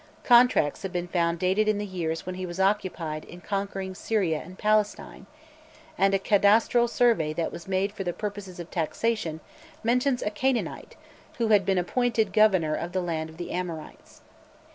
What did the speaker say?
Contracts have been found dated in the years when he was occupied in conquering Syria and Palestine, and a cadastral survey that was made for the purposes of taxation mentions a Canaanite who had been appointed "governor of the land of the Amorites."